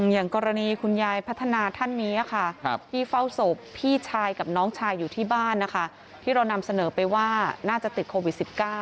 อย่างกรณีคุณยายพัฒนาท่านนี้ค่ะที่เฝ้าศพพี่ชายกับน้องชายอยู่ที่บ้านนะคะที่เรานำเสนอไปว่าน่าจะติดโควิด๑๙